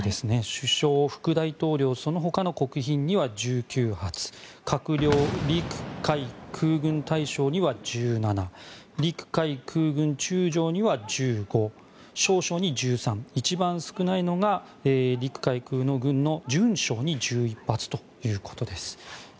首相、副大統領そのほかの国賓には１９発閣僚、陸海空軍大将には１７陸海空軍中将には１５少将に１３一番少ないのが陸海空の軍の准将に１１発ということです。